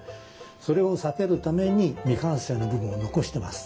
それを避けるために未完成の部分を残してます。